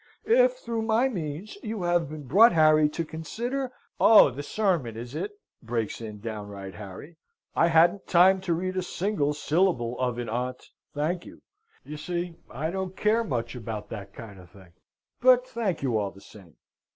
If, through my means, you have been brought, Harry, to consider " "Oh! the sermon, is it?" breaks in downright Harry. "I hadn't time to read a single syllable of it, aunt thank you. You see I don't care much about that kind of thing but thank you all the same."